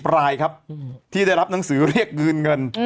รายครับที่ได้รับหนังสือเรียกคืนเงิน